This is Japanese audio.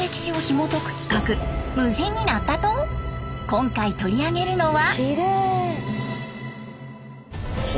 今回取り上げるのは。